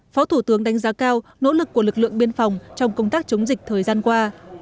phó thủ tướng đánh giá cao nỗ lực của lực lượng biên phòng trong công tác chống dịch thời gian qua